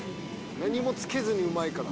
何もつけずにうまいから。